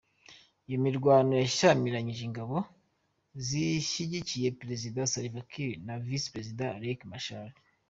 Iyo mirwano yashyamiranyije ingabo zishyigikiye Perezida Salva Kiir, na Visi Perezida Riek Machar.